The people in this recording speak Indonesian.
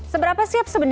seberapa siap sebenarnya